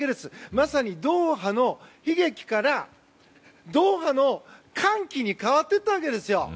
まさにドーハの悲劇からドーハの歓喜に変わっていったわけですよ。